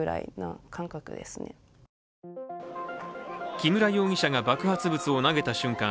木村容疑者が爆発物を投げた瞬間